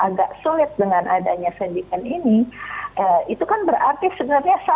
yang agak sulit dengan adanya sentimen itu yang agak sulit dengan adanya sentimen itu yang agak sulit dengan adanya sentimen itu